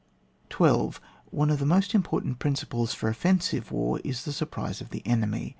12. One of the most important prin ciples for ofifensive war is the surprise of the enemy.